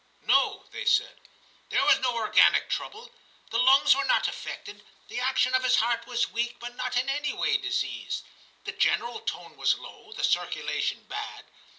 * No,* they said, * there was no organic trouble. The lungs were not affected; the action of the heart was weak, but not in any way diseased ; the general tone was low ; the circulation bad.